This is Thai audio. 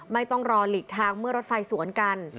ไม่ต้องรอหลีกทางเมื่อรถไฟสวนกัน